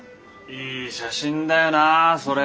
いい写真だよなそれ。